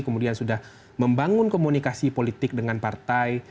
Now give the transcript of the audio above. kemudian sudah membangun komunikasi politik dengan partai